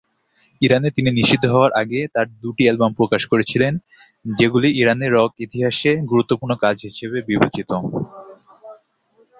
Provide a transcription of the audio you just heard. ইরানে তিনি নিষিদ্ধ হওয়ার আগে তার দুটি অ্যালবাম প্রকাশ করেছিলেন, যেগুলি ইরানের রক ইতিহাসের গুরুত্বপূর্ণ কাজ হিসাবে বিবেচিত।